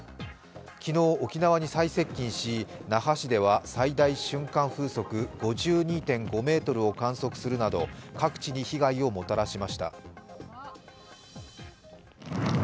昨日、沖縄に最接近し那覇市では最大瞬間風速５２．５メートルを観測するなど各地に被害をもたらしました。